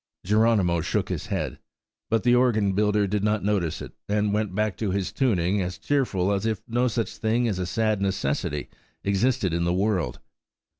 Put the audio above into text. Geronimo shook his head, but the organ builder did not notice it, and went back to his tuning as cheerful as if no such thing as a sad necessity existed in the world.